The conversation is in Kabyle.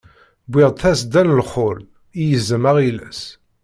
Wwiɣ-d tasedda n rrxul, i yizem aɣilas.